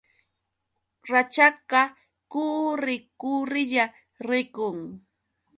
Rachakqa kuurri kurrilla rikun.